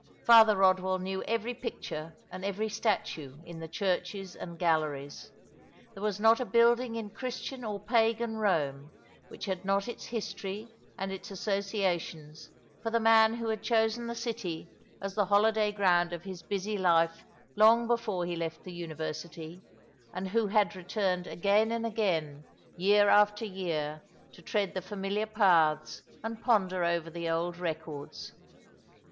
Father Eodwell knew every picture and every statue in the churches and galleries. There was not a building in Christian or Pagan Eome which had not its history and its associations for the man who had chosen the city as the holiday ground of his busy life long before he left the university, and who had returned again and againj 268 All along the River, year after year, to tread the familiar paths and ponder over the old records.